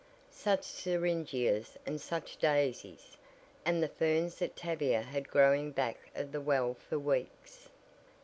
Such syringias and such daisies! And the ferns that Tavia had growing back of the well for weeks!